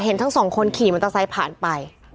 ทั้งสองคนขี่มอเตอร์ไซค์ผ่านไป